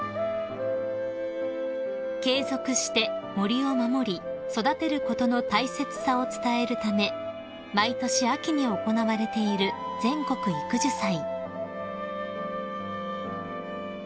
［継続して森を守り育てることの大切さを伝えるため毎年秋に行われている全国育樹祭］